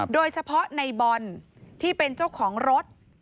โดยเฉพาะในบอลที่เป็นเจ้าของรถ